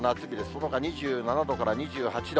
そのほか２７度から２８度。